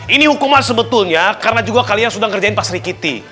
ini hukuman sebetulnya karena juga kalian sudah ngerjain pak sri kiti